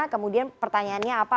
kemudian pertanyaannya apa